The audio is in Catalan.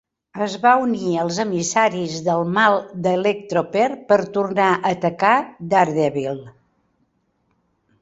Es va unir als Emissaris del mal d'Electroper per tornar a atacar Daredevil.